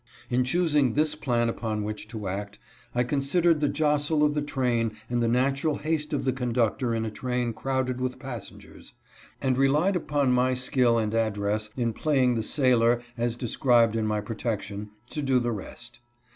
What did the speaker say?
In choosing this plan upon which to act, I considered the jostle of the train, and the natural haste of the conductor in a train crowded with passengers, and relied upon my skill and address in playing the sailor as described in my protection, to do the rest.